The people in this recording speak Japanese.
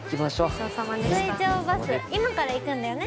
水上バス今から行くんだよね？